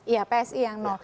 iya psi yang